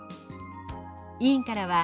委員からは＃